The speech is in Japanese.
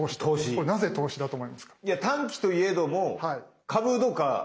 これなぜ投資だと思いますか？